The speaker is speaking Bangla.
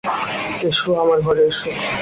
এসো, আমার ঘরে এসো।